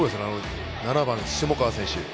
７番の下川選手